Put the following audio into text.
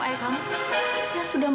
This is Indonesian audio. ini beliau seorang buddha buddha